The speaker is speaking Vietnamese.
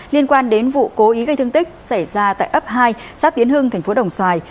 liên quan đến vụ cố ý gây thương tích xảy ra tại ấp hai sát tiến hương tp đồng xoài